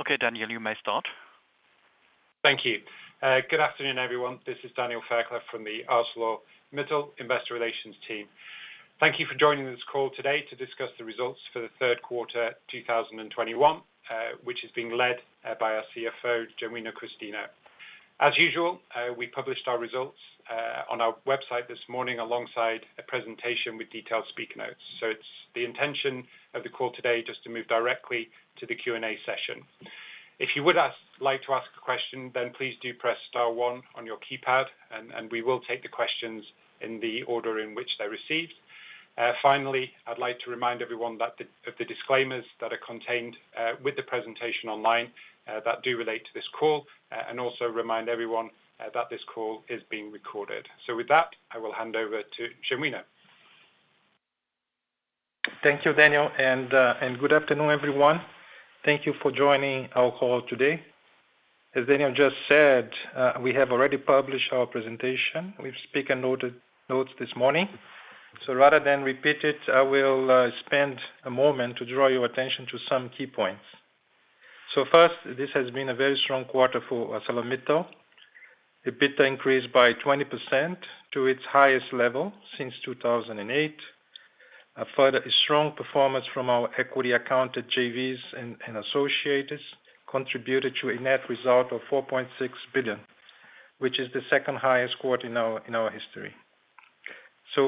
Okay, Daniel, you may start. Thank you. Good afternoon, everyone. This is Daniel Fairclough from the ArcelorMittal Investor Relations team. Thank you for joining this call today to discuss the results for the Q3 2021, which is being led by our CFO, Genuino Christino. As usual, we published our results on our website this morning alongside a presentation with detailed speaker notes. It's the intention of the call today just to move directly to the Q&A session. If you would like to ask a question, then please do press star one on your keypad and we will take the questions in the order in which they're received. Finally, I'd like to remind everyone that of the disclaimers that are contained with the presentation online that do relate to this call, and also remind everyone that this call is being recorded. With that, I will hand over to Genuino Christino. Thank you, Daniel. Good afternoon, everyone. Thank you for joining our call today. As Daniel just said, we have already published our presentation with speaker notes this morning. Rather than repeat it, I will spend a moment to draw your attention to some key points. First, this has been a very strong quarter for ArcelorMittal. EBITDA increased by 20% to its highest level since 2008. A further strong performance from our equity accounted JVs and associates contributed to a net result of $4.6 billion, which is the second highest quarter in our history.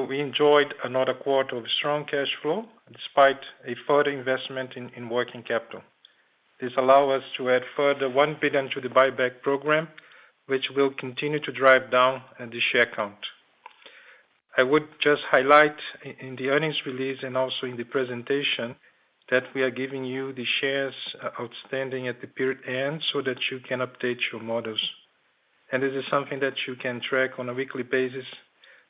We enjoyed another quarter of strong cash flow despite a further investment in working capital. This allow us to add further $1 billion to the buyback program, which will continue to drive down the share count. I would just highlight in the earnings release and also in the presentation that we are giving you the shares outstanding at the period end so that you can update your models. This is something that you can track on a weekly basis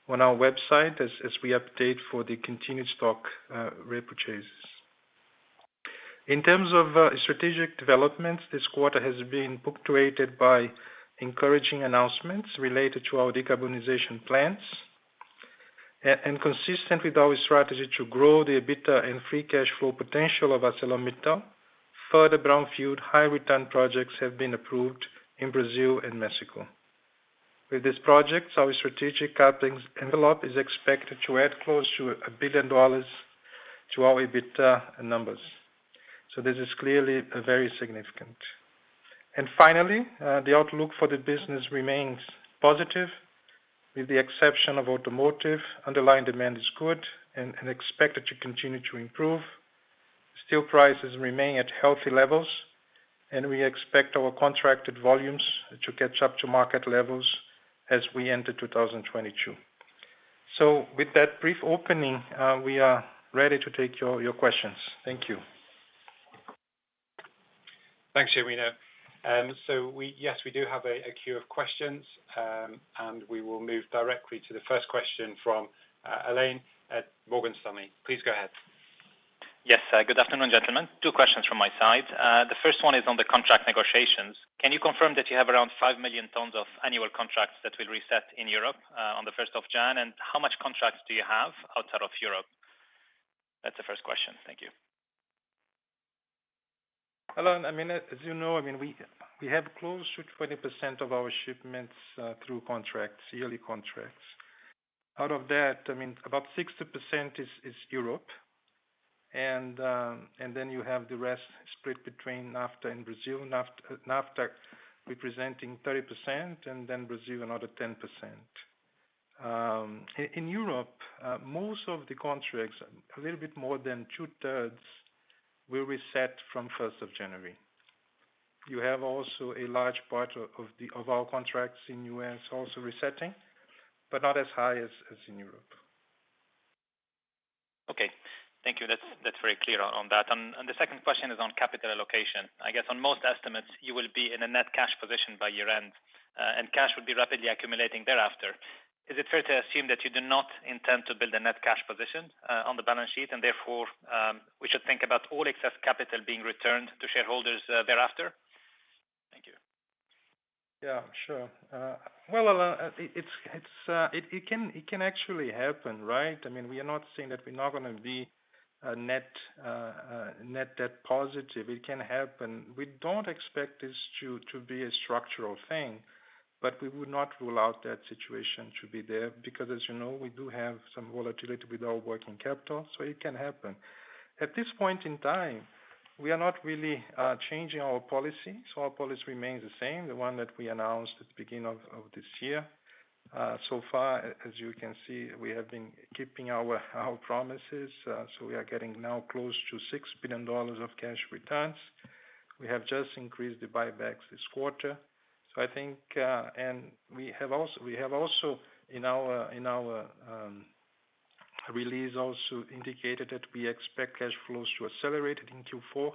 on our website as we update for the continued stock repurchase. In terms of strategic developments, this quarter has been punctuated by encouraging announcements related to our decarbonization plans. And consistent with our strategy to grow the EBITDA and free cash flow potential of ArcelorMittal, further brownfield high return projects have been approved in Brazil and Mexico. With these projects, our strategic CapEx envelope is expected to add close to $1 billion to our EBITDA numbers. This is clearly very significant. Finally, the outlook for the business remains positive. With the exception of automotive, underlying demand is good and expected to continue to improve. Steel prices remain at healthy levels, and we expect our contracted volumes to catch up to market levels as we enter 2022. With that brief opening, we are ready to take your questions. Thank you. Thanks, Genuino. We do have a queue of questions, and we will move directly to the first question from Alain at Morgan Stanley. Please go ahead. Yes. Good afternoon, gentlemen. Two questions from my side. The first one is on the contract negotiations. Can you confirm that you have around 5 million tons of annual contracts that will reset in Europe, on the first of January? And how many contracts do you have outside of Europe? That's the first question. Thank you. Alain, I mean, as you know, I mean, we have close to 20% of our shipments through contracts, yearly contracts. Out of that, I mean, about 60% is Europe. You have the rest split between NAFTA and Brazil. NAFTA representing 30%, and then Brazil another 10%. In Europe, most of the contracts, a little bit more than two-thirds, will reset from January 1st. You have also a large part of our contracts in U.S. also resetting, but not as high as in Europe. Okay. Thank you. That's very clear on that. The second question is on capital allocation. I guess on most estimates, you will be in a net cash position by year-end, and cash will be rapidly accumulating thereafter. Is it fair to assume that you do not intend to build a net cash position on the balance sheet, and therefore, we should think about all excess capital being returned to shareholders thereafter? Thank you. Yeah, sure. Well, Alain, it can actually happen, right? I mean, we are not saying that we're not going to be a net debt positive. It can happen. We don't expect this to be a structural thing, but we would not rule out that situation to be there, because as you know, we do have some volatility with our working capital, so it can happen. At this point in time, we are not really changing our policy. Our policy remains the same, the one that we announced at the beginning of this year. So far, as you can see, we have been keeping our promises. We are getting now close to $6 billion of cash returns. We have just increased the buybacks this quarter. I think we have also in our release also indicated that we expect cash flows to accelerate in Q4.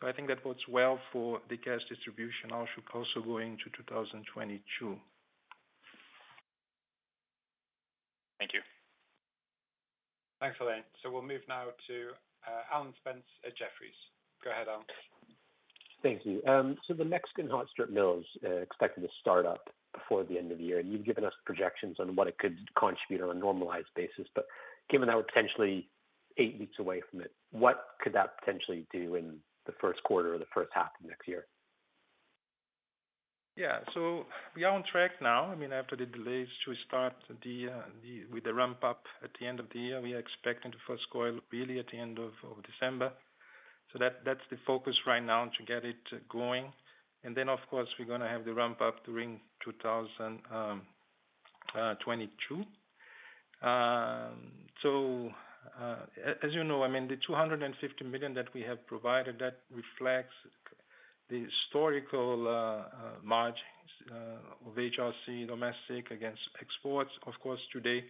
I think that bodes well for the cash distribution outlook also going into 2022. Thank you. Thanks, Alain. We'll move now to Alan Spence at Jefferies. Go ahead, Alan. Thank you. So the Mexican hot strip mill is expected to start up before the end of the year. You've given us projections on what it could contribute on a normalized basis. Given that we're potentially eight weeks away from it, what could that potentially do in the Q1 or the H1 of next year? Yeah. We are on track now. I mean, after the delays to start the ramp up at the end of the year, we are expecting the first coil really at the end of December. That, that's the focus right now to get it going. Of course, we're going to have the ramp up during 2022. As you know, I mean, the $250 million that we have provided, that reflects the historical margins of HRC domestic against exports. Of course, today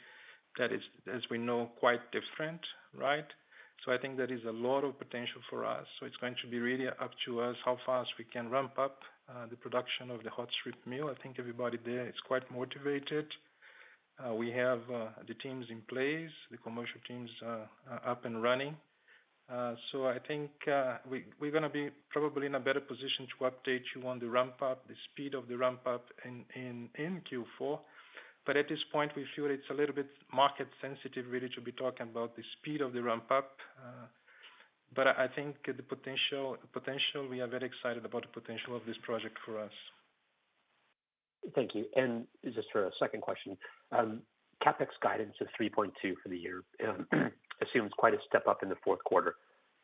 that is, as we know, quite different, right? I think there is a lot of potential for us. It's going to be really up to us how fast we can ramp up the production of the hot strip mill. I think everybody there is quite motivated. We have the teams in place, the commercial teams are up and running. I think we're going to be probably in a better position to update you on the ramp up, the speed of the ramp up in Q4. At this point, we feel it's a little bit market sensitive really to be talking about the speed of the ramp up. I think the potential. We are very excited about the potential of this project for us. Thank you. Just for a second question. CapEx guidance of $3.2 for the year assumes quite a step up in the fourth quarter.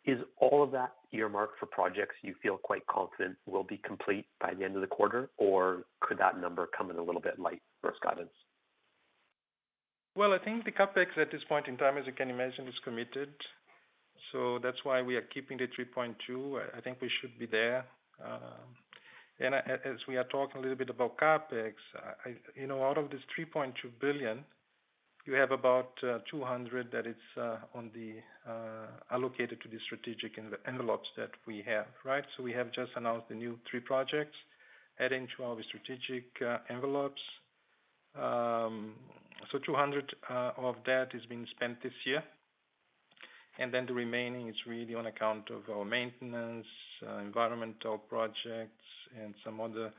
Is all of that earmarked for projects you feel quite confident will be complete by the end of the quarter? Or could that number come in a little bit light versus guidance? I think the CapEx at this point in time, as you can imagine, is committed. That's why we are keeping the $3.2 billion. I think we should be there. As we are talking a little bit about CapEx, I, you know, out of this $3.2 billion, you have about 200 that it's allocated to the strategic envelopes that we have, right? We have just announced the new three projects adding to our strategic envelopes. 200 of that is being spent this year. Then the remaining is really on account of our maintenance environmental projects and some other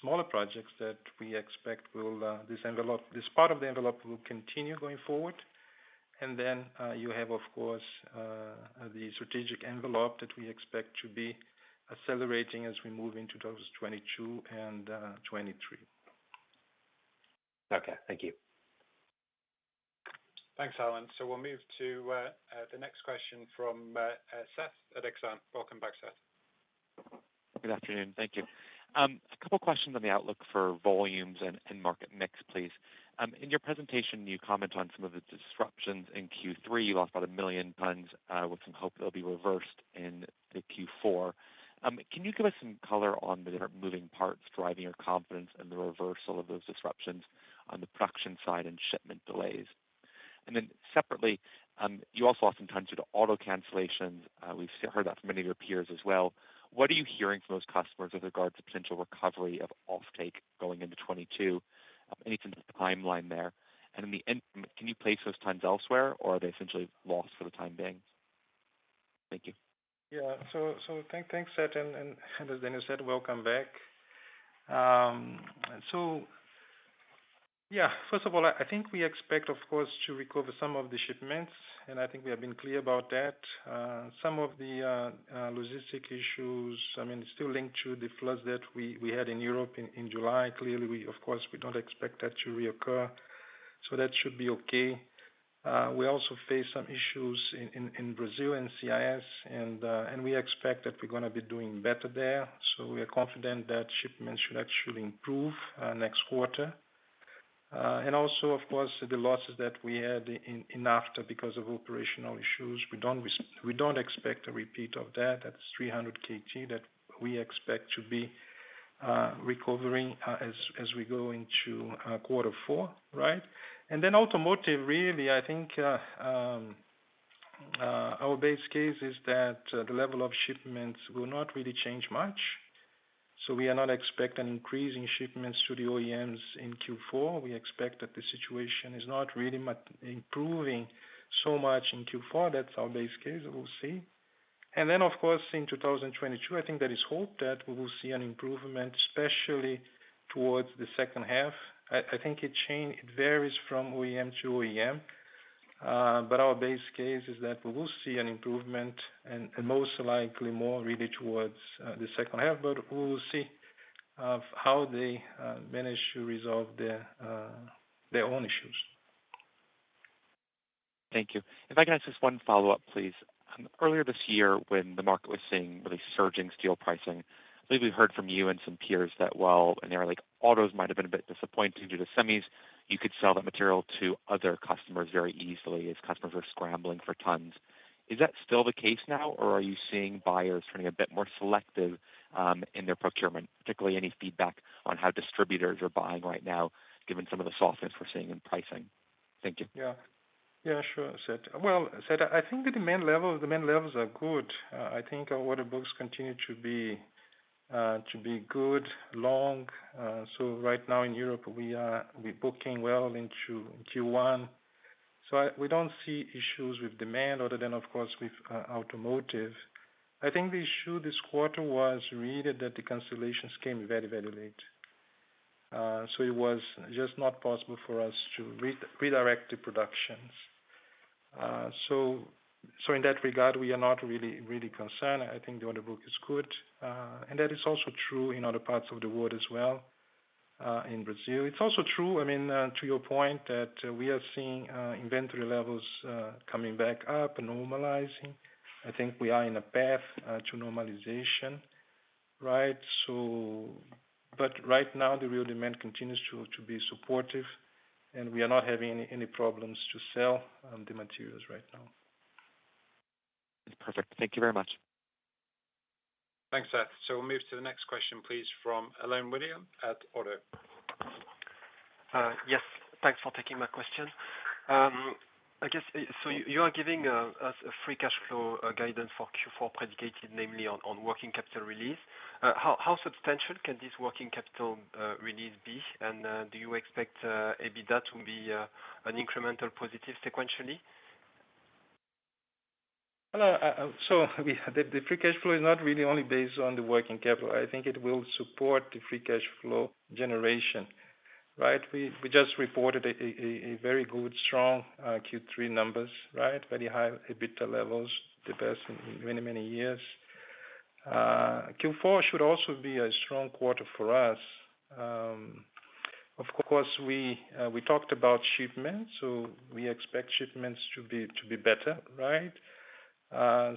smaller projects that we expect will continue going forward. This envelope, this part of the envelope will continue going forward. You have, of course, the strategic envelope that we expect to be accelerating as we move into those 2022 and 2023. Okay. Thank you. Thanks, Alan. We'll move to the next question from Tristan Gresser at Exane. Welcome back, Tristan Gresser. Good afternoon. Thank you. A couple questions on the outlook for volumes and market mix, please. In your presentation, you comment on some of the disruptions in Q3. You lost about 1 million tons, with some hope they'll be reversed in the Q4. Can you give us some color on the different moving parts driving your confidence in the reversal of those disruptions on the production side and shipment delays? And then separately, you also lost some tons due to auto cancellations. We've heard that from many of your peers as well. What are you hearing from those customers with regard to potential recovery of offtake going into 2022? Any sense of timeline there? And in the end, can you place those tons elsewhere or are they essentially lost for the time being? Thank you. Thanks, Tristan. As Daniel said, welcome back. First of all, I think we expect, of course, to recover some of the shipments, and I think we have been clear about that. Some of the logistic issues, I mean, it's still linked to the floods that we had in Europe in July. Clearly, we of course don't expect that to reoccur. That should be okay. We also face some issues in Brazil and CIS, and we expect that we're going to be doing better there. We are confident that shipments should actually improve next quarter. Also, of course, the losses that we had in NAFTA because of operational issues, we don't expect a repeat of that. That's 300 KT that we expect to be recovering as we go into quarter four, right? Automotive, really, I think our base case is that the level of shipments will not really change much. We are not expecting increasing shipments to the OEMs in Q4. We expect that the situation is not really much improving so much in Q4. That's our base case. We'll see. Of course, in 2022, I think there is hope that we will see an improvement, especially towards the H2. I think it varies from OEM to OEM. Our base case is that we will see an improvement and most likely more, really, towards the H2. We will see how they manage to resolve their own issues. Thank you. If I can ask just one follow-up, please. Earlier this year when the market was seeing really surging steel pricing, I believe we heard from you and some peers that while an area like autos might have been a bit disappointing due to semis, you could sell that material to other customers very easily as customers are scrambling for tons. Is that still the case now, or are you seeing buyers turning a bit more selective, in their procurement? Particularly any feedback on how distributors are buying right now, given some of the softness we're seeing in pricing? Thank you. Yeah. Yeah, sure, Tristan Gresser. Well, Tristan Gresser, I think the demand levels are good. I think our order books continue to be good, long. So right now in Europe, we're booking well into Q1. We don't see issues with demand other than, of course, with automotive. I think the issue this quarter was really that the cancellations came very late. So it was just not possible for us to re-redirect the productions. So in that regard, we are not really concerned. I think the order book is good. That is also true in other parts of the world as well, in Brazil. It's also true, I mean, to your point that we are seeing inventory levels coming back up and normalizing. I think we are on a path to normalization, right? Right now, the real demand continues to be supportive, and we are not having any problems to sell the materials right now. It's perfect. Thank you very much. Thanks, Tristan Gresser. We'll move to the next question, please, from Alain Gabriel at ODDO BHF. Yes, thanks for taking my question. I guess you are giving us a free cash flow guidance for Q4, predicated namely on working capital release. How substantial can this working capital release be? And do you expect EBITDA to be an incremental positive sequentially? The free cash flow is not really only based on the working capital. I think it will support the free cash flow generation, right? We just reported a very good, strong Q3 numbers, right? Very high EBITDA levels, the best in many years. Q4 should also be a strong quarter for us. Of course, we talked about shipments, so we expect shipments to be better, right? Our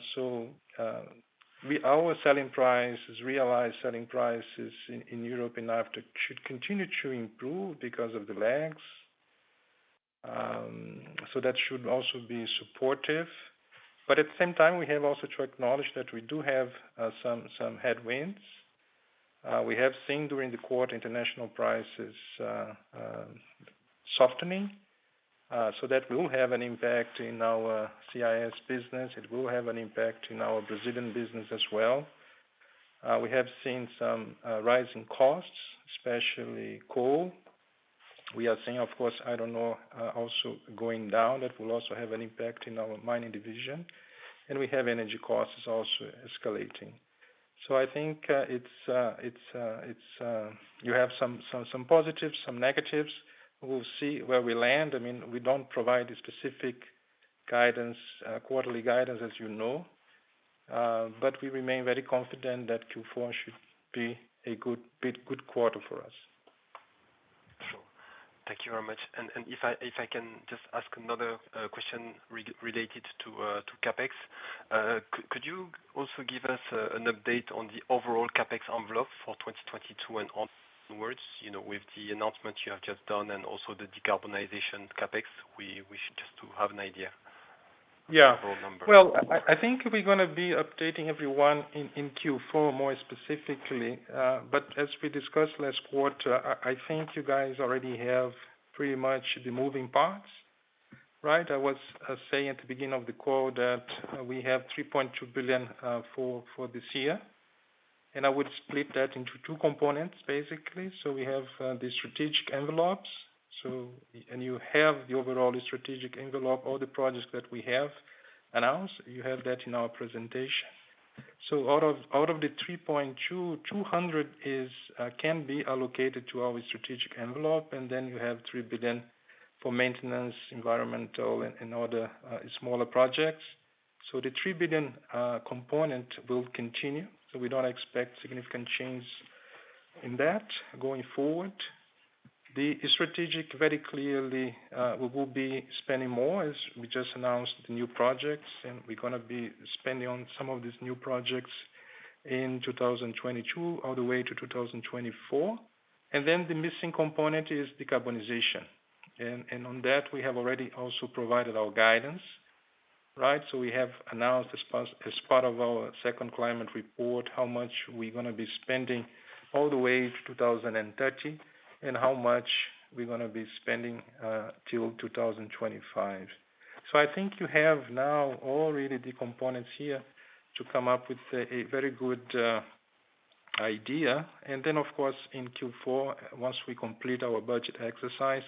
realized selling prices in Europe and Africa should continue to improve because of the lags. That should also be supportive. At the same time, we have also to acknowledge that we do have some headwinds. We have seen during the quarter international prices softening, so that will have an impact in our CIS business. It will have an impact in our Brazilian business as well. We have seen some rise in costs, especially coal. We are seeing, of course, iron ore also going down. That will also have an impact in our mining division. We have energy costs also escalating. I think you have some positives, some negatives. We'll see where we land. I mean, we don't provide a specific guidance, quarterly guidance as you know, but we remain very confident that Q4 should be a good quarter for us. Sure. Thank you very much. If I can just ask another question related to CapEx. Could you also give us an update on the overall CapEx envelope for 2022 and onwards, you know, with the announcement you have just done and also the decarbonization CapEx? We wish just to have an idea. Yeah. Overall number. Well, I think we're going to be updating everyone in Q4 more specifically. As we discussed last quarter, I think you guys already have pretty much the moving parts, right? I was saying at the beginning of the call that we have $3.2 billion for this year. I would split that into two components, basically. We have the strategic envelopes. You have the overall strategic envelope, all the projects that we have announced. You have that in our presentation. Out of the $3.2 billion, $200 million can be allocated to our strategic envelope, and then you have $3 billion for maintenance, environmental, and other smaller projects. The $3 billion component will continue. We don't expect significant change in that going forward. The strategic, very clearly, we will be spending more as we just announced the new projects, and we're going to be spending on some of these new projects in 2022 all the way to 2024. The missing component is decarbonization. On that, we have already also provided our guidance, right? We have announced as part of our second climate report, how much we're going to be spending all the way to 2030, and how much we're going to be spending till 2025. I think you have now all really the components here to come up with a very good idea. Of course, in Q4, once we complete our budget exercise,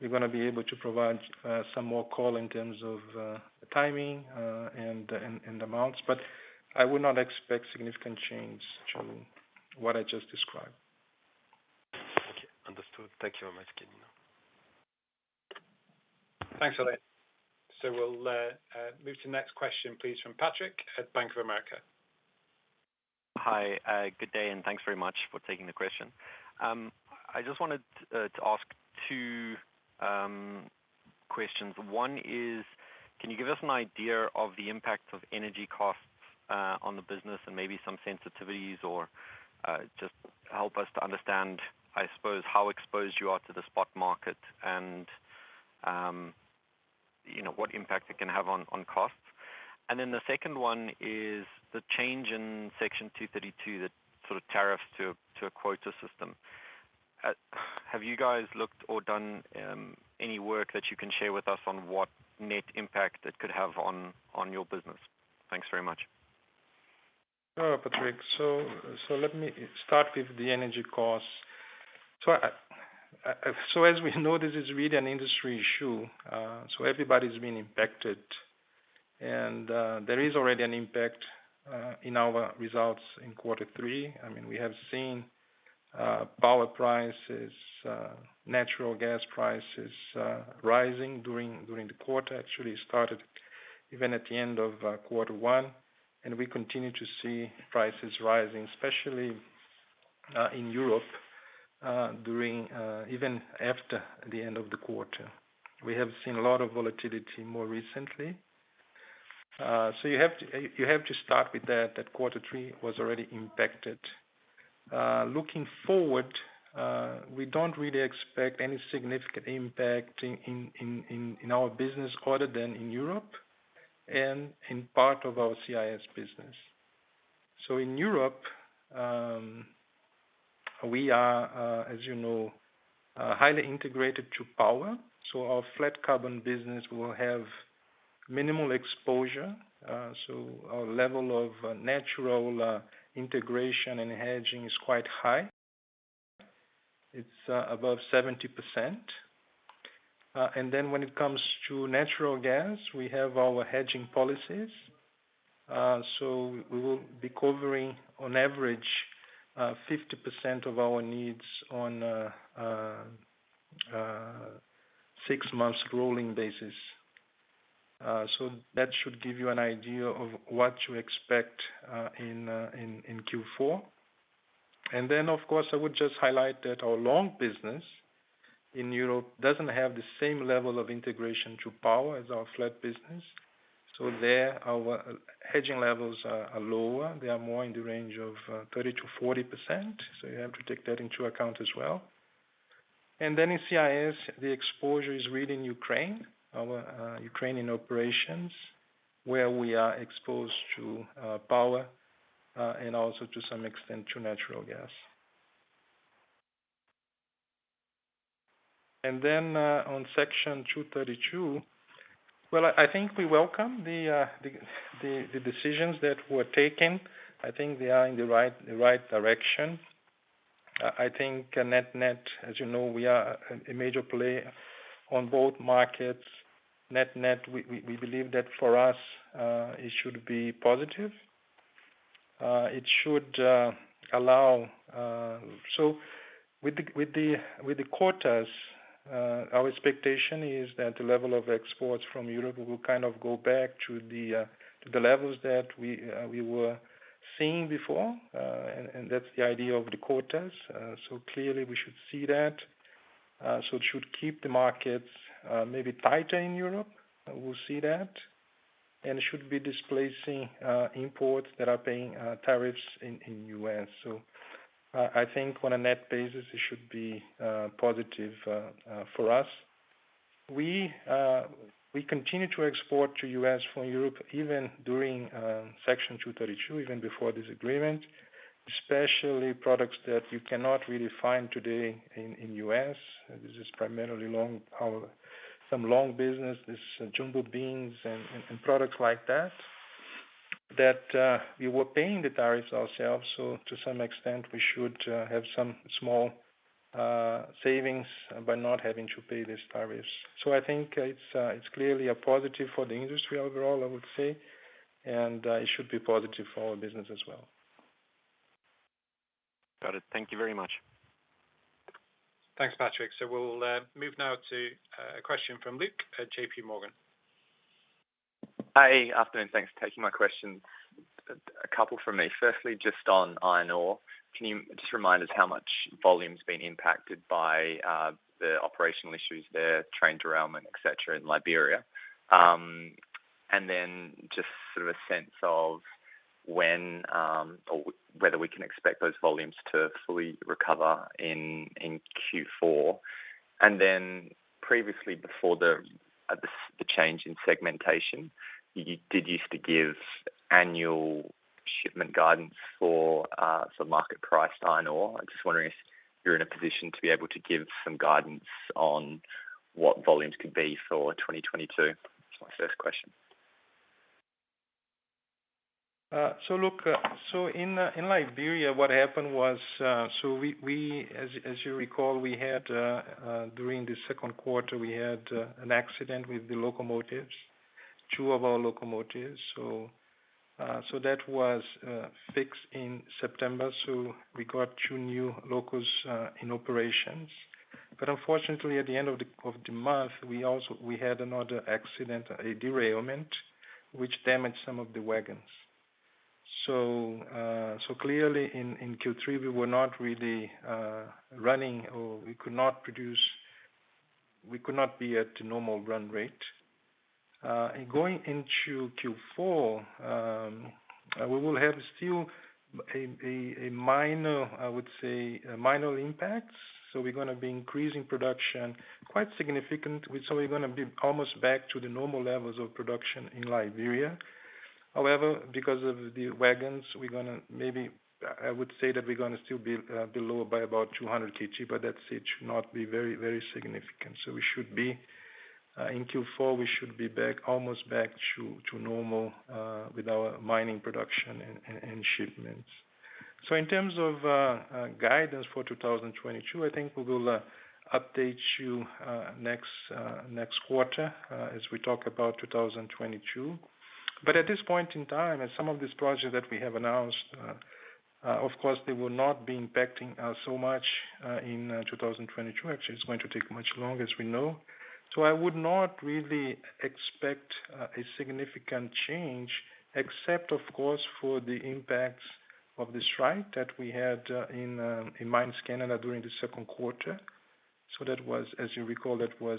we're going to be able to provide some more color in terms of timing and amounts. I would not expect significant change to what I just described. Okay. Understood. Thank you very much, Genuino Christino. Thanks, Alain. We'll move to next question, please, from Patrick at Bank of America. Hi. Good day, and thanks very much for taking the question. I just wanted to ask two questions. One is, can you give us an idea of the impact of energy costs on the business and maybe some sensitivities or just help us to understand, I suppose, how exposed you are to the spot market and you know what impact it can have on costs? The second one is the change in Section 232, the sort of tariffs to a quota system. Have you guys looked or done any work that you can share with us on what net impact it could have on your business? Thanks very much. Sure, Patrick. Let me start with the energy costs. As we know, this is really an industry issue. Everybody's been impacted and there is already an impact in our results in quarter three. I mean, we have seen power prices, natural gas prices rising during the quarter. Actually, it started even at the end of Q1, and we continue to see prices rising, especially in Europe, during even after the end of the quarter. We have seen a lot of volatility more recently. You have to start with that, quarter three was already impacted. Looking forward, we don't really expect any significant impact in our business other than in Europe and in part of our CIS business. In Europe, we are, as you know, highly integrated to power, so our flat carbon business will have minimal exposure. Our level of natural integration and hedging is quite high. It's above 70%. When it comes to natural gas, we have our hedging policies. We will be covering on average 50% of our needs on six months rolling basis. That should give you an idea of what to expect in Q4. Of course, I would just highlight that our long business in Europe doesn't have the same level of integration to power as our flat business. There, our hedging levels are lower. They are more in the range of 30%-40%. You have to take that into account as well. In CIS, the exposure is really in Ukraine, our Ukrainian operations, where we are exposed to power, and also to some extent to natural gas. On Section 232, well, I think we welcome the decisions that were taken. I think they are in the right direction. Net-net, as you know, we are a major player on both markets. Net-net, we believe that for us it should be positive. It should allow. So with the quotas, our expectation is that the level of exports from Europe will kind of go back to the levels that we were seeing before. That's the idea of the quotas. Clearly we should see that. It should keep the markets maybe tighter in Europe. We'll see that. It should be displacing imports that are paying tariffs in U.S. I think on a net basis, it should be positive for us. We continue to export to U.S. from Europe even during Section 232, even before this agreement, especially products that you cannot really find today in U.S. This is primarily long products, some long business, jumbo beams and products like that that we were paying the tariffs ourselves, so to some extent we should have some small savings by not having to pay these tariffs. I think it's clearly a positive for the industry overall, I would say. It should be positive for our business as well. Got it. Thank you very much. Thanks, Patrick. We'll move now to a question from Luke at J.P. Morgan. Hi. Afternoon. Thanks for taking my question. A couple from me. Firstly, just on iron ore, can you just remind us how much volume's been impacted by the operational issues there, train derailment, et cetera, in Liberia? Just sort of a sense of when or whether we can expect those volumes to fully recover in Q4. Previously before the change in segmentation, you did used to give annual shipment guidance for sort of market price iron ore. I'm just wondering if you're in a position to be able to give some guidance on what volumes could be for 2022. That's my first question. In Liberia, what happened was, as you recall, we had an accident with the locomotives, two of our locomotives. That was fixed in September. We got two new locomotives in operations. Unfortunately, at the end of the month, we also had another accident, a derailment, which damaged some of the wagons. Clearly in Q3, we were not really running or we could not be at normal run rate. Going into Q4, we will have still a minor, I would say, a minor impact. We're going to be increasing production quite significant. We're totally going to be almost back to the normal levels of production in Liberia. However, because of the wagons, we're going to maybe, I would say that we're going to still be lower by about 200 kg, but that should not be very, very significant. We should be in Q4 back almost to normal with our mining production and shipments. In terms of guidance for 2022, I think we will update you next quarter as we talk about 2022. At this point in time, and some of these projects that we have announced, of course, they will not be impacting us so much in 2022. Actually, it's going to take much longer, as we know. I would not really expect a significant change except of course for the impacts of the strike that we had in Mines Canada during the Q2. That was, as you recall, a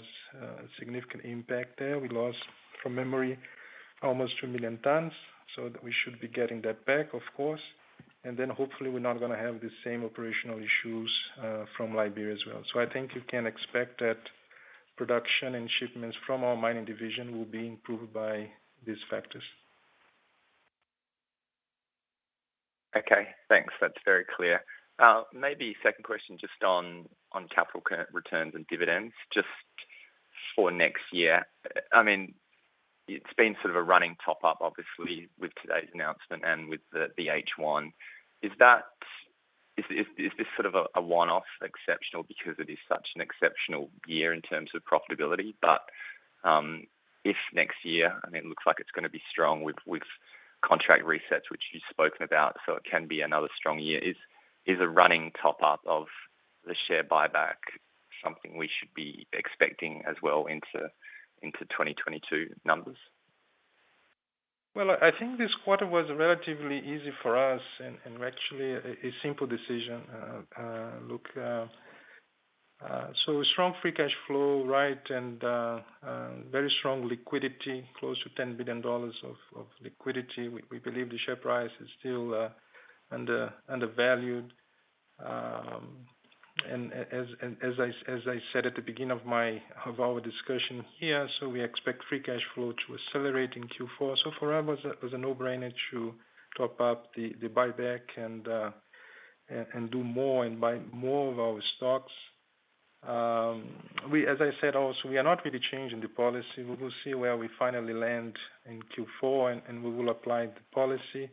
significant impact there. We lost, from memory, almost 2 million tons, so that we should be getting that back, of course. Then hopefully we're not going to have the same operational issues from Liberia as well. I think you can expect that production and shipments from our mining division will be improved by these factors. Okay, thanks. That's very clear. Maybe second question just on capital current returns and dividends just for next year. I mean, it's been sort of a running top up, obviously, with today's announcement and with the H1. Is this sort of a one-off exceptional because it is such an exceptional year in terms of profitability? If next year, I mean, it looks like it's going to be strong with contract resets, which you've spoken about, so it can be another strong year. Is a running top up of the share buyback something we should be expecting as well into 2022 numbers? Well, I think this quarter was relatively easy for us and actually a simple decision. Strong free cash flow, right, and very strong liquidity, close to $10 billion of liquidity. We believe the share price is still undervalued. As I said at the beginning of our discussion here, we expect free cash flow to accelerate in Q4. For us it was a no-brainer to top up the buyback and do more and buy more of our stocks. As I said also, we are not really changing the policy. We will see where we finally land in Q4, and we will apply the policy.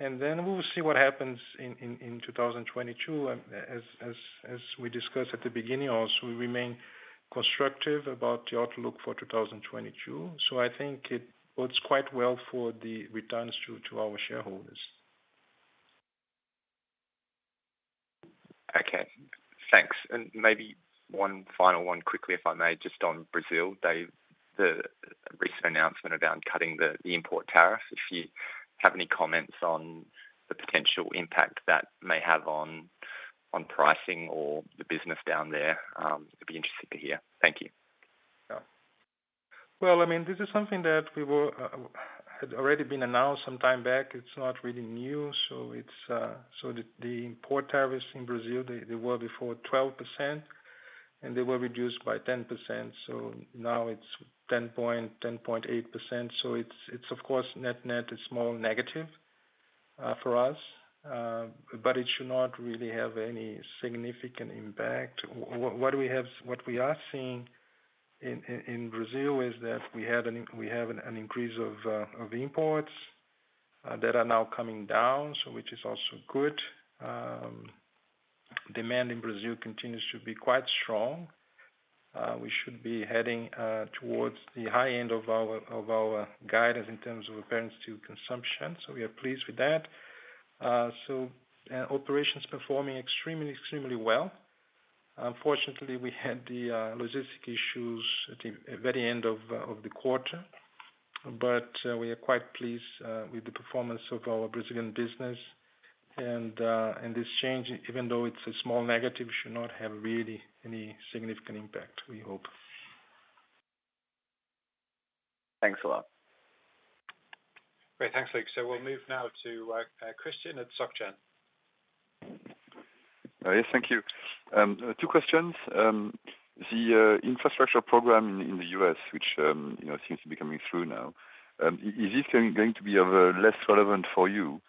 We will see what happens in 2022. As we discussed at the beginning also, we remain constructive about the outlook for 2022. I think it bodes quite well for the returns to our shareholders. Okay, thanks. Maybe one final one quickly, if I may, just on Brazil, the recent announcement around cutting the import tariffs. If you have any comments on the potential impact that may have on pricing or the business down there, it'd be interesting to hear. Thank you. Well, I mean, this is something that had already been announced some time back. It's not really new. The import tariffs in Brazil were before 12%, and they were reduced by 10%. Now it's 10.8%. It's of course net-net more negative for us. But it should not really have any significant impact. What we are seeing in Brazil is that we have an increase of imports that are now coming down, which is also good. Demand in Brazil continues to be quite strong. We should be heading towards the high end of our guidance in terms of apparent consumption. We are pleased with that. Operations performing extremely well. Unfortunately, we had the logistics issues at the very end of the quarter. We are quite pleased with the performance of our Brazilian business. This change, even though it's a small negative, should not have really any significant impact, we hope. Thanks a lot. Great. Thanks, Luke. We'll move now to Christian at SocGen. Yes. Thank you. Two questions. The infrastructure program in the U.S., which you know seems to be coming through now, is this going to be of less relevant for you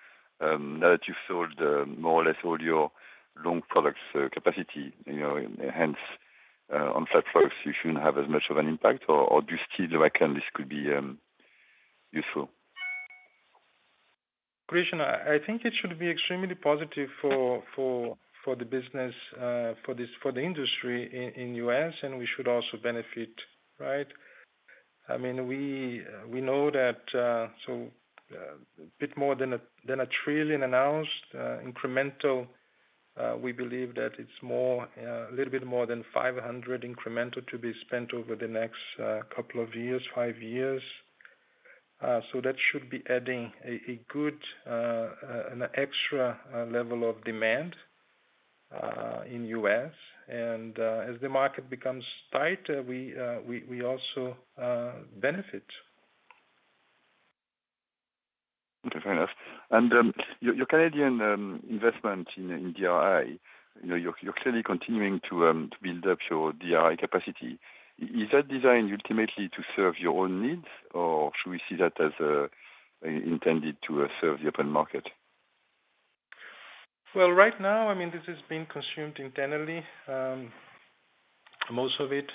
now that you've sold more or less all your long products capacity, you know, hence on flat products, you shouldn't have as much of an impact? Or do you still reckon this could be useful? Christian, I think it should be extremely positive for the business, for this, for the industry in U.S., and we should also benefit, right? I mean, we know that, so, a bit more than $1 trillion announced, incremental. We believe that it's more, a little bit more than $500 billion incremental to be spent over the next couple of years, five years. So that should be adding a good, an extra level of demand in U.S. As the market becomes tighter, we also benefit. Okay, fair enough. Your Canadian investment in DRI, you know, you're clearly continuing to build up your DRI capacity. Is that designed ultimately to serve your own needs, or should we see that as intended to serve the open market? Well, right now, I mean, this is being consumed internally, most of it.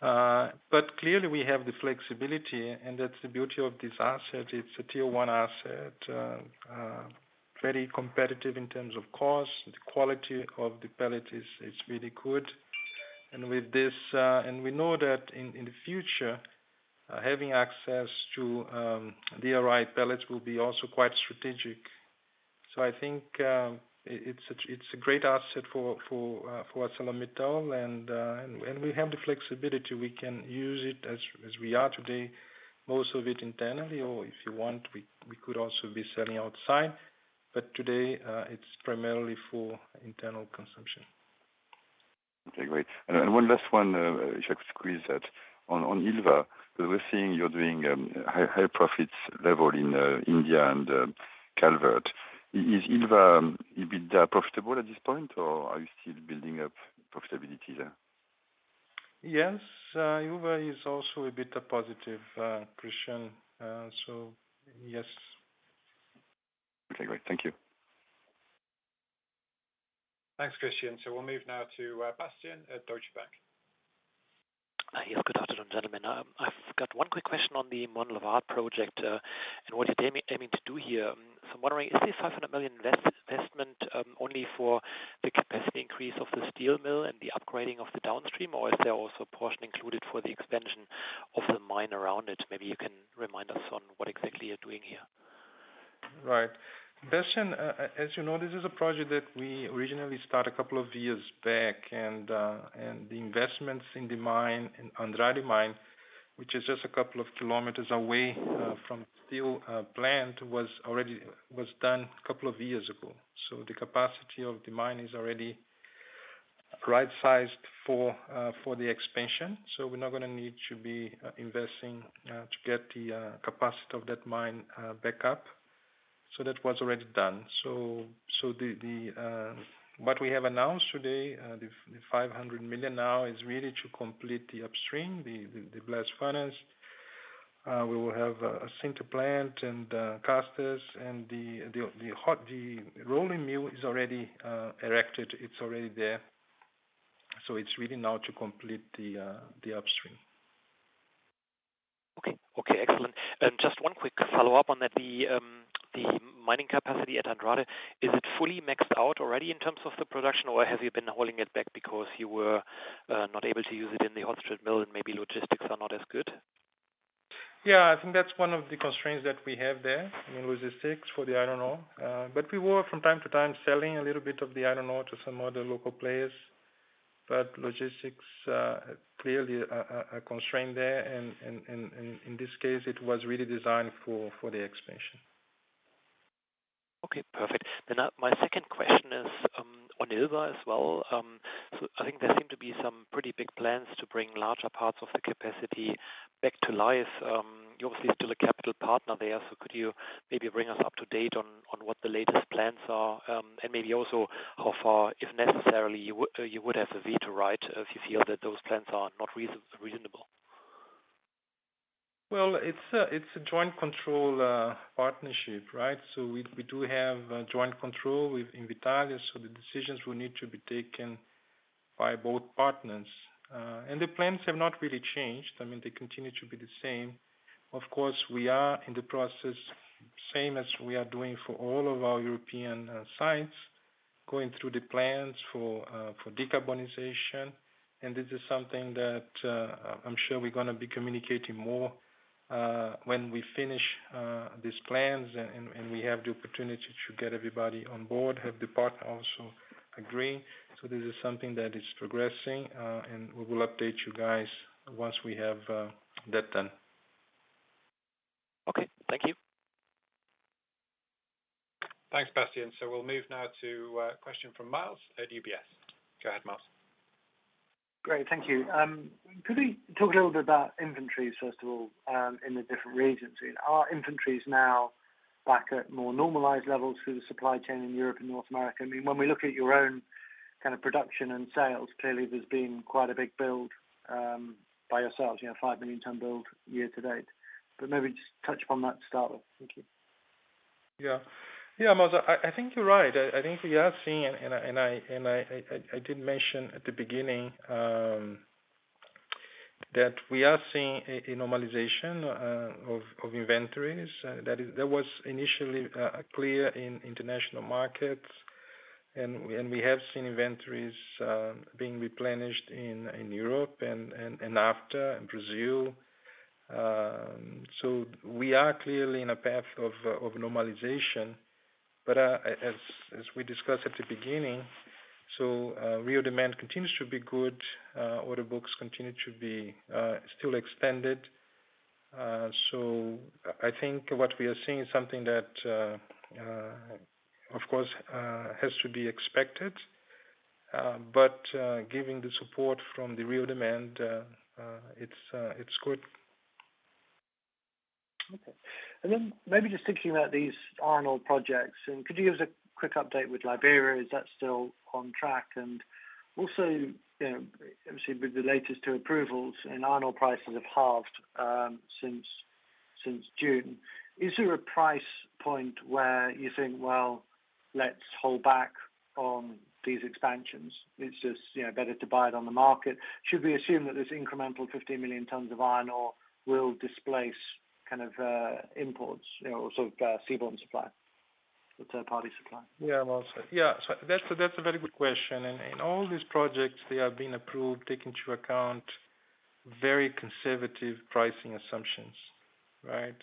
Clearly we have the flexibility, and that's the beauty of this asset. It's a tier one asset, very competitive in terms of cost. The quality of the pellet is really good. With this, we know that in the future, having access to DRI pellets will be also quite strategic. I think it's a great asset for ArcelorMittal and we have the flexibility. We can use it as we are today, most of it internally, or if you want, we could also be selling outside. Today, it's primarily for internal consumption. Okay, great. One last one, if I could squeeze that on Ilva. We're seeing you're doing high profit levels in India and Calvert. Is Ilva EBITDA profitable at this point, or are you still building up profitability there? Yes, Ilva is also a bit of a positive, Christian. Yes. Okay, great. Thank you. Thanks, Christian. We'll move now to Bastian at Deutsche Bank. Yes. Good afternoon, gentlemen. I've got one quick question on the Monlevade project and what you're aiming to do here. I'm wondering, is this $500 million investment only for the capacity increase of the steel mill and the upgrading of the downstream, or is there also a portion included for the expansion of the mine around it? Maybe you can remind us on what exactly you're doing here. Right. Bastian, as you know, this is a project that we originally start a couple of years back. The investments in the mine, in Andrade Mine, which is just a couple of kilometers away from steel plant, was done a couple of years ago. The capacity of the mine is already right-sized for the expansion. We're not going to need to be investing to get the capacity of that mine back up. That was already done. What we have announced today, the $500 million now is really to complete the upstream, the blast furnace. We will have a sinter plant and casters and the hot rolling mill is already erected. It's already there. It's really now to complete the upstream. Okay. Okay, excellent. Just one quick follow-up on that. The mining capacity at Andrade, is it fully maxed out already in terms of the production, or have you been holding it back because you were not able to use it in the hot strip mill and maybe logistics are not as good? Yeah, I think that's one of the constraints that we have there. I mean, logistics for the iron ore. We were from time to time selling a little bit of the iron ore to some other local players. Logistics are clearly a constraint there. In this case, it was really designed for the expansion. Okay, perfect. My second question is on Ilva as well. I think there seem to be some pretty big plans to bring larger parts of the capacity back to life. You obviously still a capital partner there. Could you maybe bring us up to date on what the latest plans are? And maybe also how far, if necessary, you would have a veto, right? If you feel that those plans are not reasonable. Well, it's a joint control partnership, right? So we do have joint control with Invitalia, so the decisions will need to be taken by both partners. The plans have not really changed. I mean, they continue to be the same. Of course, we are in the process, same as we are doing for all of our European sites, going through the plans for decarbonization. This is something that I'm sure we're going to be communicating more when we finish these plans and we have the opportunity to get everybody on board, have the partner also agree. This is something that is progressing, and we will update you guys once we have that done. Okay. Thank you. Thanks, Bastian. We'll move now to question from Miles at UBS. Go ahead, Miles. Great. Thank you. Could we talk a little bit about inventories, first of all, in the different regions? Are inventories now back at more normalized levels through the supply chain in Europe and North America? I mean, when we look at your own kind of production and sales, clearly there's been quite a big build, by yourselves, you know, 5 million ton build year to date. Maybe just touch upon that to start with. Thank you. Yeah. Yeah, Miles, I think you're right. I think we have seen and I did mention at the beginning that we are seeing a normalization of inventories. That was initially clear in international markets. We have seen inventories being replenished in Europe and after in Brazil. We are clearly in a path of normalization. As we discussed at the beginning, real demand continues to be good. Order books continue to be still expanded. I think what we are seeing is something that of course has to be expected. Given the support from the real demand, it's good. Okay. Maybe just thinking about these iron ore projects, and could you give us a quick update with Liberia? Is that still on track? Also, you know, obviously with the latest two approvals and iron ore prices have halved since June. Is there a price point where you think, well, let's hold back on these expansions, it's just, you know, better to buy it on the market. Should we assume that this incremental 15 million tons of iron ore will displace kind of imports, you know, sort of seaborne supply, the third-party supply? Yeah. Well, yeah. That's a very good question. All these projects they have been approved take into account very conservative pricing assumptions, right?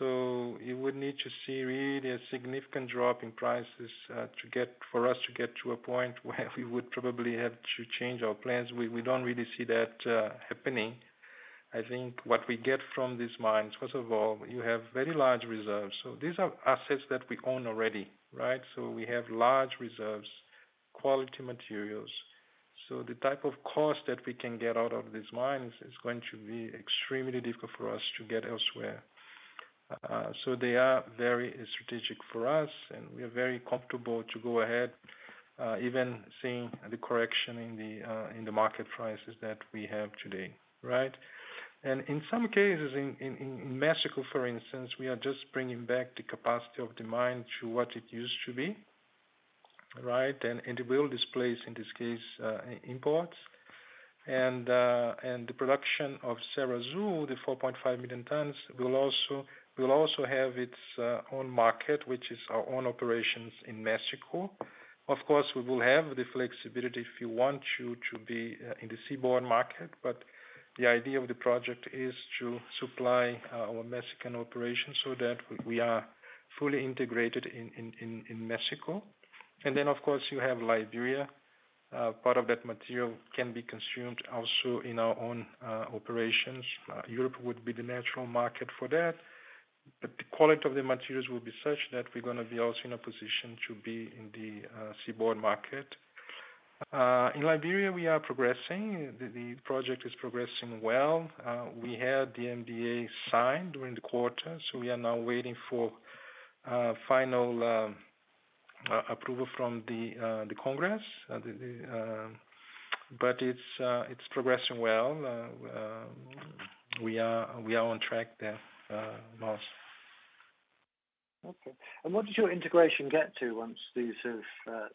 You would need to see really a significant drop in prices for us to get to a point where we would probably have to change our plans. We don't really see that happening. I think what we get from these mines, first of all, you have very large reserves. These are assets that we own already, right? We have large reserves, quality materials. The type of cost that we can get out of these mines is going to be extremely difficult for us to get elsewhere. They are very strategic for us, and we are very comfortable to go ahead, even seeing the correction in the market prices that we have today, right? In some cases in Mexico for instance, we are just bringing back the capacity of the mine to what it used to be, right? It will displace, in this case, imports. The production of Cerro Azul 4.5 million tons will also have its own market, which is our own operations in Mexico. Of course, we will have the flexibility if you want to be in the seaborne market. But the idea of the project is to supply our Mexican operations so that we are fully integrated in Mexico. Then of course you have Liberia. Part of that material can be consumed also in our own operations. Europe would be the natural market for that, but the quality of the materials will be such that we're going to be also in a position to be in the seaborne market. In Liberia we are progressing. The project is progressing well. We had the NDA signed during the quarter, so we are now waiting for final approval from the Congress. It's progressing well. We are on track there, Miles. Okay. What does your integration get to once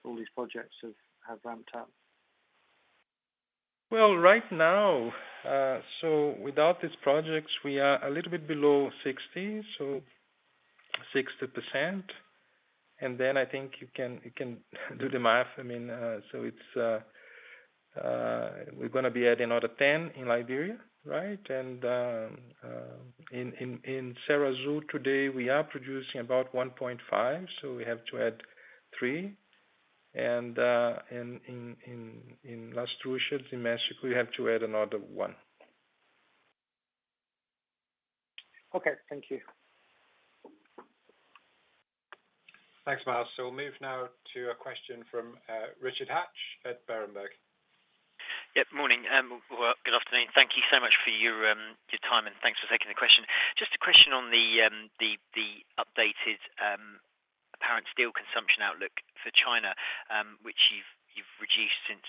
all these projects have ramped up? Well, right now, without these projects, we are a little bit below 60%, so 60%. Then I think you can do the math. I mean, we're going to be adding another 10 in Liberia, right? In Cerro Azul today we are producing about 1.5, so we have to add three. In Las Truchas in Mexico, we have to add another one. Okay. Thank you. Thanks, Miles. We'll move now to a question from Richard Hatch at Berenberg. Yeah. Morning. Well, good afternoon. Thank you so much for your time, and thanks for taking the question. Just a question on the updated apparent steel consumption outlook for China, which you've reduced since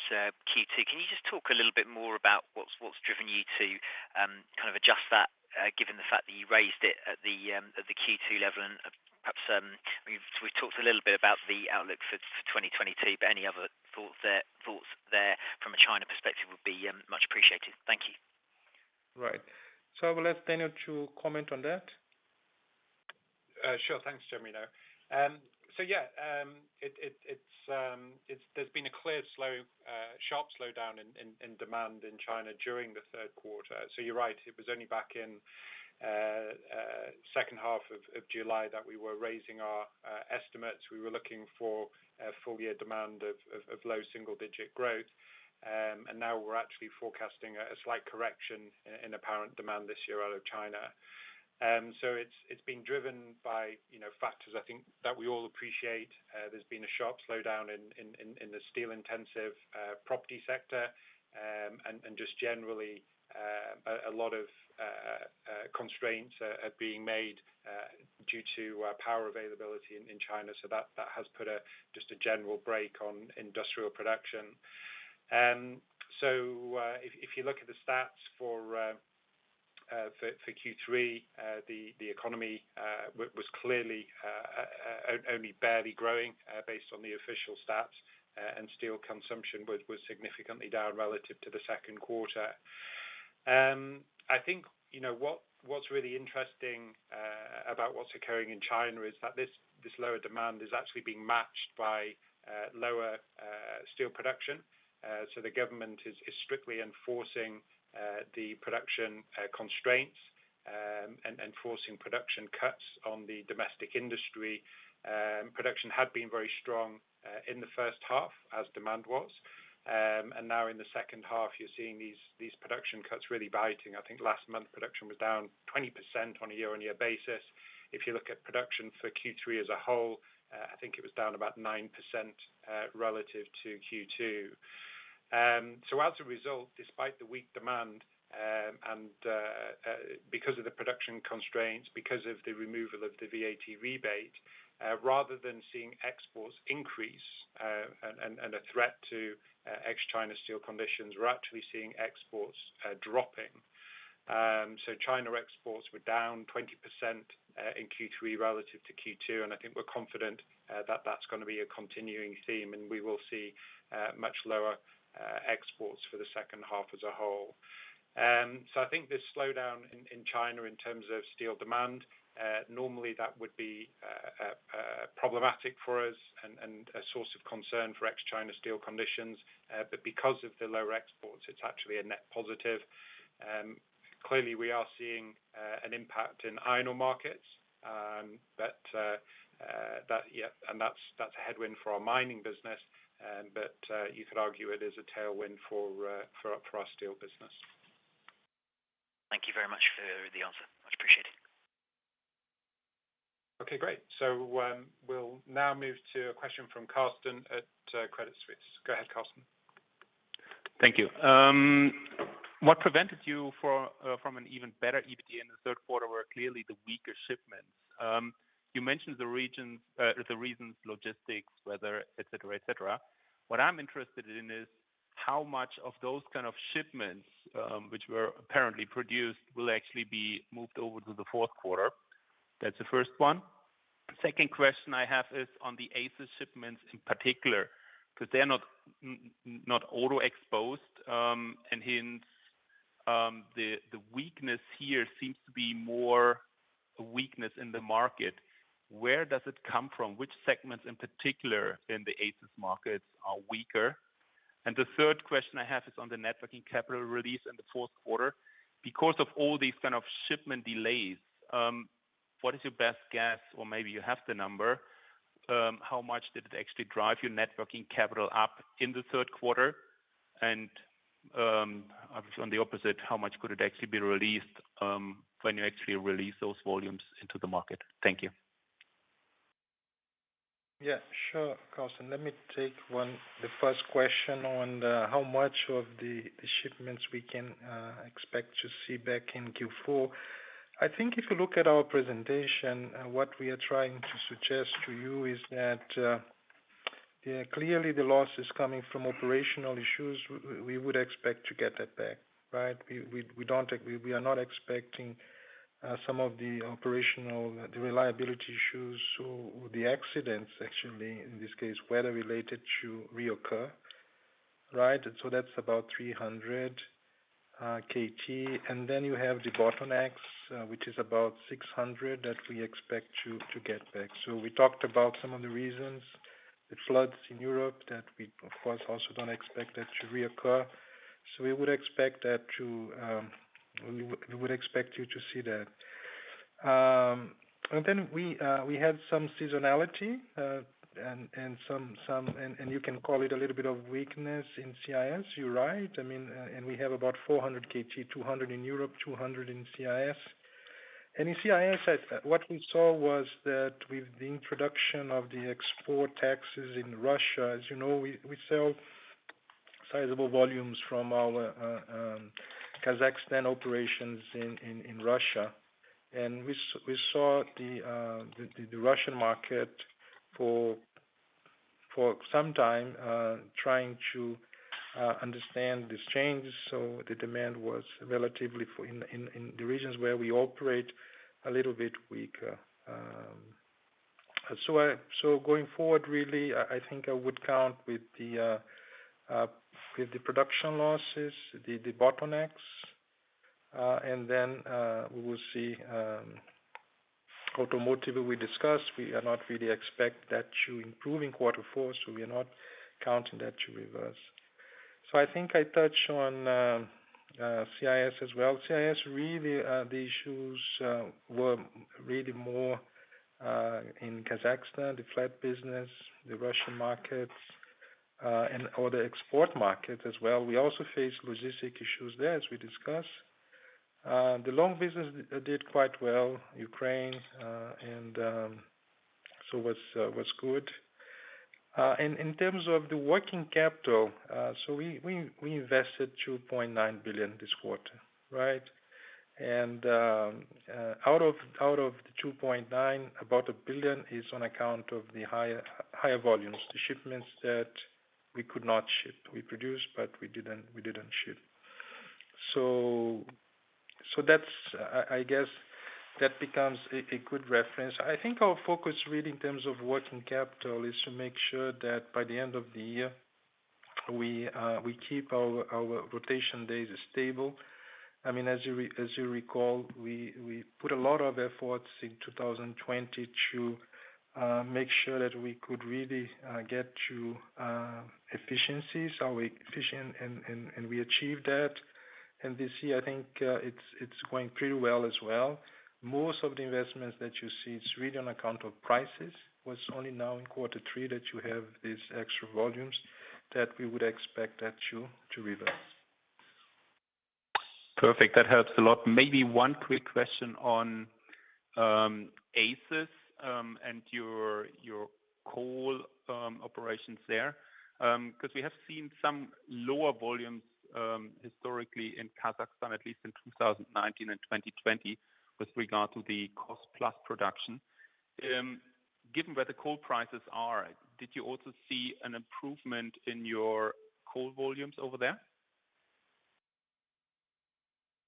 Q2. Can you just talk a little bit more about what's driven you to kind of adjust that, given the fact that you raised it at the Q2 level? Perhaps we've talked a little bit about the outlook for 2022, but any other thoughts there from a China perspective would be much appreciated. Thank you. Right. I will ask Daniel to comment on that. Sure. Thanks, Genuino. Yeah, there's been a clear, sharp slowdown in demand in China during the Q3. You're right, it was only back in H2 of July that we were raising our estimates. We were looking for a full year demand of low single-digit growth. And now we're actually forecasting a slight correction in apparent demand this year out of China. It's been driven by, you know, factors I think that we all appreciate. There's been a sharp slowdown in the steel-intensive property sector. And just generally, a lot of constraints are being made due to power availability in China. That has put just a general brake on industrial production. If you look at the stats for Q3, the economy was clearly only barely growing based on the official stats, and steel consumption was significantly down relative to the Q2. I think, you know, what's really interesting about what's occurring in China is that this lower demand is actually being matched by lower steel production. The government is strictly enforcing the production constraints and enforcing production cuts on the domestic industry. Production had been very strong in the H1 as demand was. Now in the H2 you're seeing these production cuts really biting. I think last month production was down 20% on a year-on-year basis. If you look at production for Q3 as a whole, I think it was down about 9% relative to Q2. As a result, despite the weak demand and because of the production constraints, because of the removal of the VAT rebate, rather than seeing exports increase and a threat to ex-China steel conditions, we're actually seeing exports dropping. China exports were down 20% in Q3 relative to Q2, and I think we're confident that that's going to be a continuing theme, and we will see much lower exports for the H2 as a whole. I think this slowdown in China in terms of steel demand normally that would be problematic for us and a source of concern for ex-China steel conditions. Because of the lower exports, it's actually a net positive. Clearly we are seeing an impact in iron ore markets, but that's a headwind for our mining business. You could argue it is a tailwind for our steel business. Thank you very much for the answer. Much appreciated. Okay, great. We'll now move to a question from Carsten at Credit Suisse. Go ahead, Carsten. Thank you. What prevented you from an even better EBITDA in the Q3 were clearly the weaker shipments. You mentioned the reasons logistics, weather, et cetera, et cetera. What I'm interested in is how much of those kind of shipments, which were apparently produced, will actually be moved over to the fourth quarter. That's the first one. Second question I have is on the ACIS shipments in particular, because they're not auto exposed, and hence the weakness here seems to be more a weakness in the market. Where does it come from? Which segments in particular in the ACIS markets are weaker? The third question I have is on the net working capital release in the fourth quarter. Because of all these kind of shipment delays, what is your best guess, or maybe you have the number, how much did it actually drive your net working capital up in the Q3? Obviously on the opposite, how much could it actually be released, when you actually release those volumes into the market? Thank you. Yeah, sure, Carsten. Let me take the first question on how much of the shipments we can expect to see back in Q4. I think if you look at our presentation, what we are trying to suggest to you is that, yeah, clearly the loss is coming from operational issues. We would expect to get that back, right? We are not expecting some of the operational, the reliability issues or the accidents actually, in this case, weather-related to reoccur, right? So that's about 300 KT. And then you have the bottlenecks, which is about 600 that we expect to get back. So we talked about some of the reasons, the floods in Europe that we of course also don't expect that to reoccur. We would expect you to see that. We had some seasonality and you can call it a little bit of weakness in CIS. You're right. I mean, we have about 400 KT, 200 in Europe, 200 in CIS. In CIS, what we saw was that with the introduction of the export taxes in Russia. As you know, we sell sizable volumes from our Kazakhstan operations in Russia. We saw the Russian market for some time trying to understand these changes. The demand was relatively weaker in the regions where we operate. Going forward, really, I think I would count with the production losses, the bottlenecks, and then we will see. Automotive we discussed. We are not really expect that to improve in quarter four, so we are not counting that to reverse. I think I touch on CIS as well. CIS, really, the issues were really more in Kazakhstan, the flat business, the Russian markets, and all the export markets as well. We also face logistic issues there, as we discussed. The long business did quite well. Ukraine and so was good. In terms of the working capital, we invested $2.9 billion this quarter, right? Out of the $2.9 billion, about $1 billion is on account of the higher volumes, the shipments that we could not ship. We produced, but we didn't ship. That's, I guess that becomes a good reference. I think our focus really in terms of working capital is to make sure that by the end of the year, we keep our rotation days stable. I mean, as you recall, we put a lot of efforts in 2020 to make sure that we could really get to efficiency. We're efficient and we achieved that. This year, I think, it's going pretty well as well. Most of the investments that you see, it's really on account of prices. was only now in quarter three that you have these extra volumes that we would expect that to reverse. Perfect. That helps a lot. Maybe one quick question on ACIS and your coal operations there. because we have seen some lower volumes historically in Kazakhstan, at least in 2019 and 2020, with regard to the cost-plus production. Given where the coal prices are, did you also see an improvement in your coal volumes over there?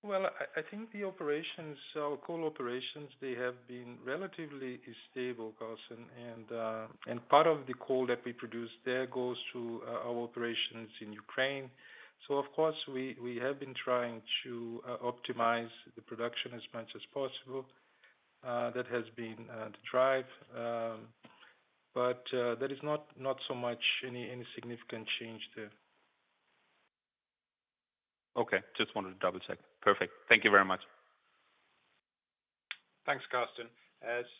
Well, I think the operations, our coal operations, they have been relatively stable, Carsten. Part of the coal that we produce there goes to our operations in Ukraine. Of course, we have been trying to optimize the production as much as possible. That has been the drive. There is not so much any significant change there. Okay. Just wanted to double-check. Perfect. Thank you very much. Thanks, Carsten.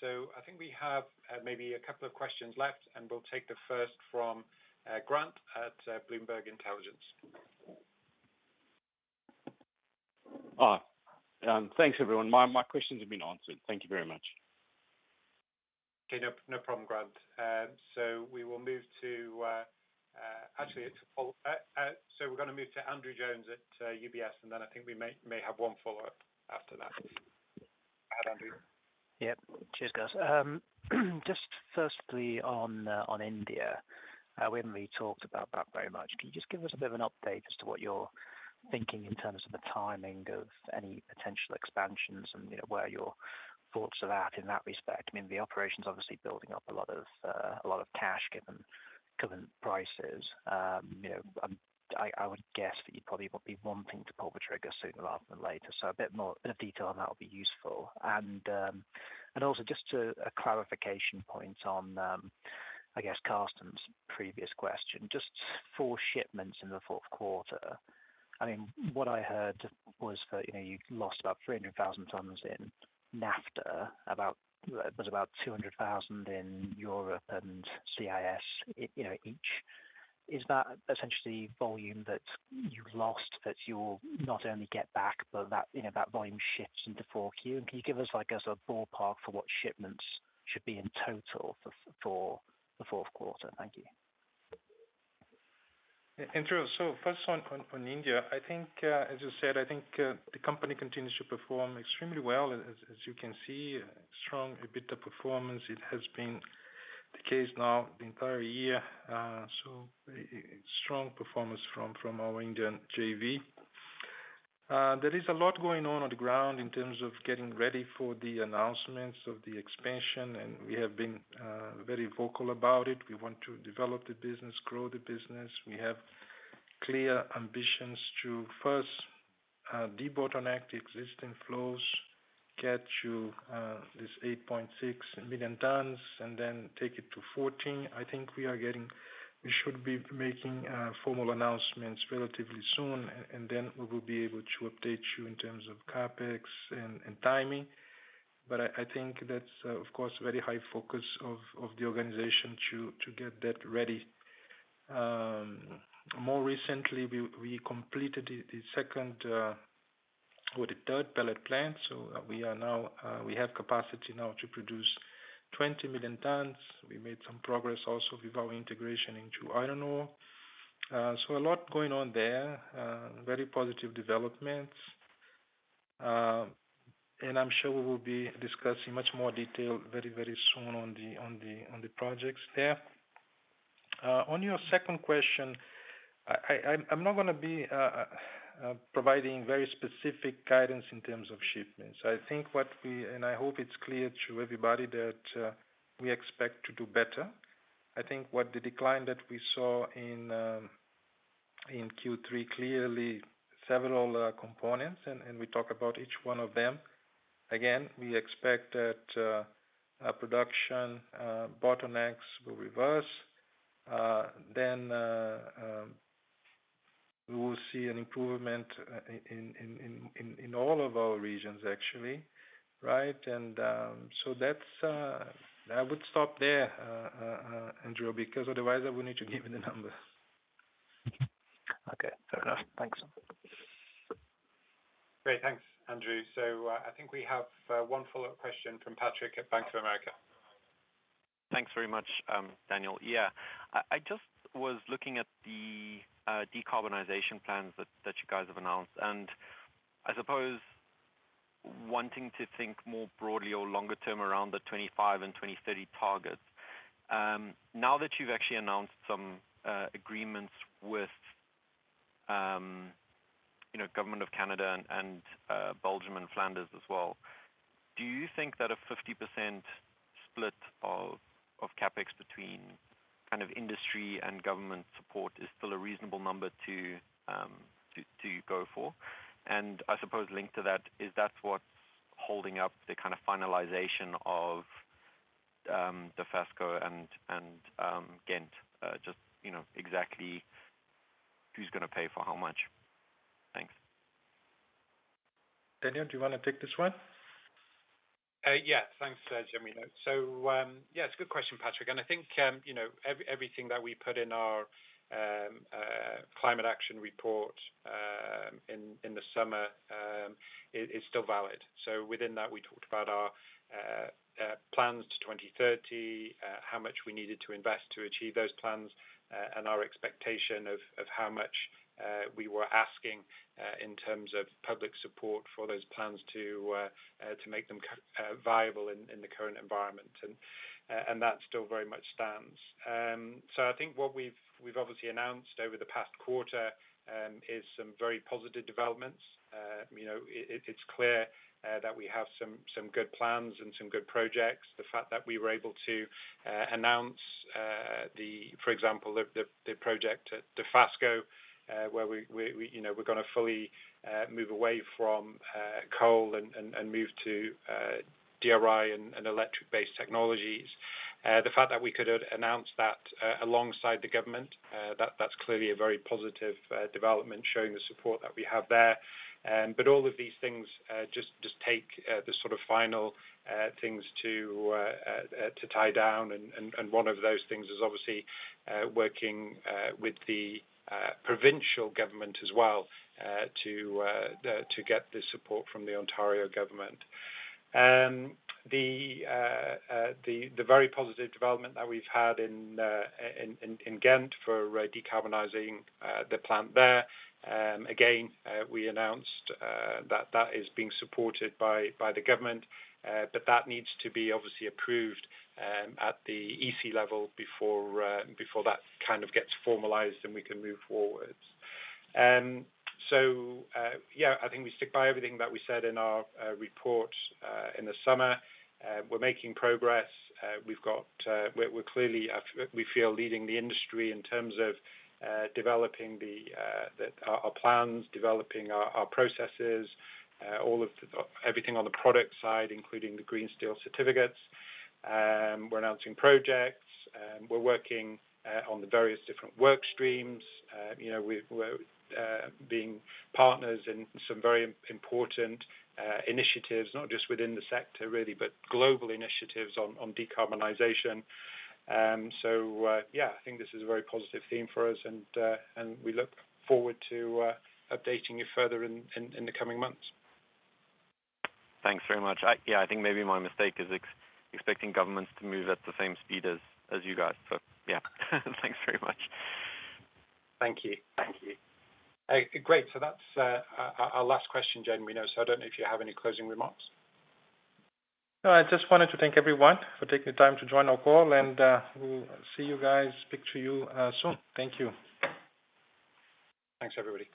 So I think we have maybe a couple of questions left, and we'll take the first from Grant at Bloomberg Intelligence. Thanks, everyone. My questions have been answered. Thank you very much. Okay. No problem, Grant. We're going to move to Andrew Jones at UBS, and then I think we may have one follow-up after that. Hi, Andrew. Yeah. Cheers, guys. Just firstly on India. We haven't really talked about that very much. Can you just give us a bit of an update as to what you're thinking in terms of the timing of any potential expansions and, you know, where your thoughts are at in that respect? I mean, the operation's obviously building up a lot of cash given current prices. You know, I would guess that you probably will be wanting to pull the trigger sooner rather than later. A bit more detail on that would be useful. Just a clarification point on, I guess, Carsten's previous question. Just for shipments in the fourth quarter. I mean, what I heard was that, you know, you lost about 300,000 tons in NAFTA. About... It was about 200,000 in Europe and CIS, you know, each. Is that essentially volume that you lost that you'll not only get back, but that, you know, that volume shifts into 4Q? And can you give us, I guess, a ballpark for what shipments should be in total for the fourth quarter? Thank you. Andrew, first on India. I think, as you said, I think, the company continues to perform extremely well. As you can see, strong EBITDA performance. It has been the case now the entire year. Strong performance from our Indian JV. There is a lot going on on the ground in terms of getting ready for the announcements of the expansion, and we have been very vocal about it. We want to develop the business, grow the business. We have clear ambitions to first debottleneck the existing flows, get to this 8.6 million tons, and then take it to 14. I think we should be making formal announcements relatively soon, and then we will be able to update you in terms of CapEx and timing. I think that's of course very high focus of the organization to get that ready. More recently, we completed the second or the third pellet plant. We have capacity now to produce 20 million tons. We made some progress also with our integration into iron ore. So a lot going on there. Very positive developments. I'm sure we will be discussing much more detail very, very soon on the projects there. On your second question, I'm not going to be providing very specific guidance in terms of shipments. I think what we. I hope it's clear to everybody that we expect to do better. I think what the decline that we saw in Q3 clearly several components and we talk about each one of them. Again, we expect that production bottlenecks will reverse. We will see an improvement in all of our regions, actually, right? That's. I would stop there, Andrew, because otherwise I will need to give you the numbers. Okay. Fair enough. Thanks. Great. Thanks, Andrew. I think we have one follow-up question from Patrick at Bank of America. Thanks very much, Daniel. Yeah. I just was looking at the decarbonization plans that you guys have announced. I suppose wanting to think more broadly or longer term around the 25 and 2030 targets. Now that you've actually announced some agreements with, you know, Government of Canada and Belgium and Flanders as well, do you think that a 50% split of CapEx between kind of industry and government support is still a reasonable number to go for? I suppose linked to that, is that what's holding up the kind of finalization of Dofasco and Ghent? Just, you know, exactly who's going to pay for how much? Thanks. Daniel, do you want to take this one? Yeah. Thanks, Genuino. Yeah, it's a good question, Patrick. I think you know everything that we put in our Climate Action Report in the summer it is still valid. Within that, we talked about our plans to 2030 how much we needed to invest to achieve those plans and our expectation of how much we were asking in terms of public support for those plans to make them viable in the current environment. That still very much stands. I think what we've obviously announced over the past quarter is some very positive developments. You know, it's clear that we have some good plans and some good projects. The fact that we were able to announce, for example, the project at Dofasco, where we you know we're going to fully move away from coal and move to DRI and electric-based technologies. The fact that we could announce that alongside the government, that's clearly a very positive development showing the support that we have there. All of these things just take the sort of final things to tie down and one of those things is obviously working with the provincial government as well to get the support from the Ontario government. The very positive development that we've had in Ghent for decarbonizing the plant there, again we announced that is being supported by the government, but that needs to be obviously approved at the EC level before that kind of gets formalized and we can move forward. Yeah, I think we stick by everything that we said in our report in the summer. We're making progress. We've got. We're clearly we feel leading the industry in terms of developing our plans, developing our processes, all of the everything on the product side, including the green steel certificates. We're announcing projects, we're working on the various different work streams. You know, we're being partners in some very important initiatives, not just within the sector really, but global initiatives on decarbonization. Yeah, I think this is a very positive theme for us and we look forward to updating you further in the coming months. Thanks very much. I, yeah, I think maybe my mistake is expecting governments to move at the same speed as you guys. Yeah. Thanks very much. Thank you. Great. That's our last question, Genuimo, we know. I don't know if you have any closing remarks. No, I just wanted to thank everyone for taking the time to join our call, and we'll see you guys, speak to you, soon. Thank you. Thanks, everybody.